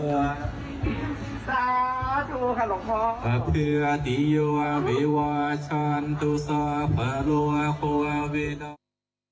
สาธุหลงพร้อมพระเผื่อติโยววิวาจันทรัพย์ภารวะภวาวิดักษ์